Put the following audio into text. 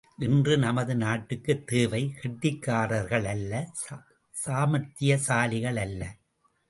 இன்று நமது நாட்டுக்குத் தேவை கெட்டிக்காரர்கள் அல்ல சாமர்த்திய சாலிகள் அல்ல.